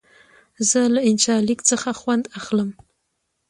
زه له انشا لیک څخه خوند اخلم.